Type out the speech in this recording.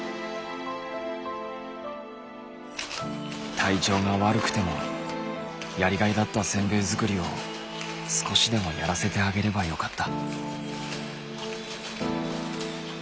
体調が悪くてもやりがいだったせんべい作りを少しでもやらせてあげればよかった。